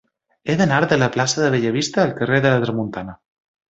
He d'anar de la plaça de Bellavista al carrer de la Tramuntana.